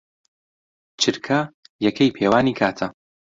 چرکە یەکەی پێوانی کاتە.